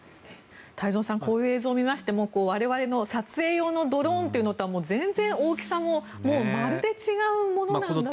太蔵さん、こういう映像を見ましても我々の撮影用のドローンというのとは全然、大きさもまるで違うものなんだという。